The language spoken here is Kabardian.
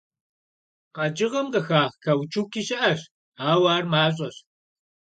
Kheç'ığem khıxax kauçuki şı'eş, aue ar maş'eş.